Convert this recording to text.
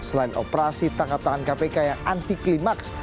selain operasi tangkap tangan kpk yang anti klimaks